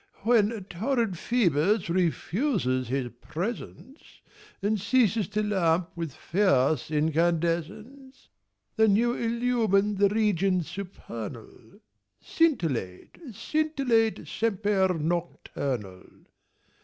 When torrid Ph[oe]bus refuses his presence And ceases to lamp with fierce incandescence, Then you illumine the regions supernal, Scintillate, scintillate, semper nocturnal.